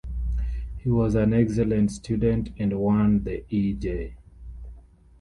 He was an excellent student, and won the E. J.